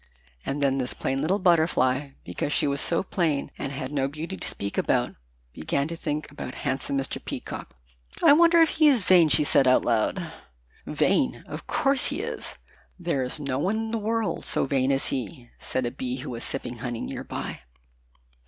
And then this plain little Butterfly, because she was so plain and had no beauty to speak about, began to think about handsome Mr. Peacock. "I wonder if he is vain?" she said out loud. "Vain! Of course he is. There is no one in the world so vain as he," said a Bee, who was sipping honey near by.